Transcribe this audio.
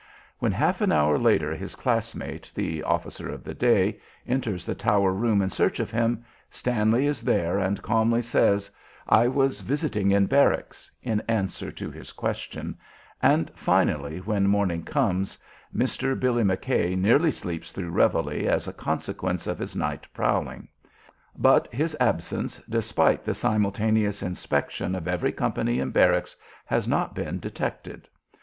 When half an hour later his classmate, the officer of the day, enters the tower room in search of him, Stanley is there and calmly says, "I was visiting in barracks," in answer to his question; and finally, when morning comes, Mr. Billy McKay nearly sleeps through reveille as a consequence of his night prowling; but his absence, despite the simultaneous inspection of every company in barracks, has not been detected.